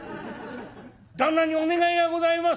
「旦那にお願いがございます」。